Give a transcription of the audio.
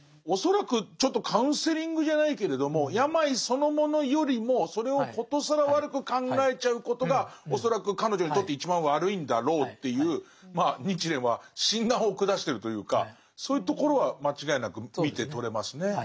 恐らくちょっとカウンセリングじゃないけれども病そのものよりもそれを殊更悪く考えちゃうことが恐らく彼女にとって一番悪いんだろうというまあ日蓮は診断を下してるというかそういうところは間違いなく見て取れますね。